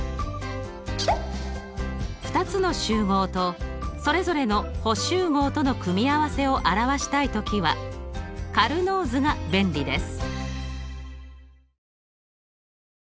２つの集合とそれぞれの補集合との組み合わせを表したい時はカルノー図が便利です。